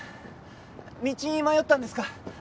道に迷ったんですか？